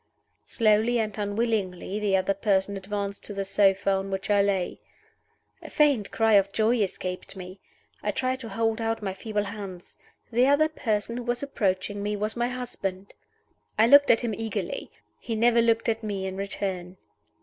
Slowly and unwillingly the other person advanced to the sofa on which I lay. A faint cry of joy escaped me; I tried to hold out my feeble hands. The other person who was approaching me was my husband! I looked at him eagerly. He never looked at me in return.